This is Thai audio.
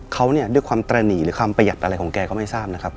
เขาเนี่ยด้วยความตระหนีหรือคำประหยัดอะไรของแกก็ไม่ทราบนะครับ